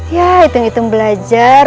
ya hitung hitung belajar